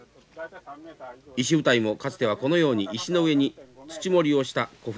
石舞台もかつてはこのように石の上に土盛りをした古墳でした。